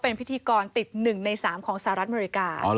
เป็นความติดหนึ่งในสามของสหรัฐอเมริกา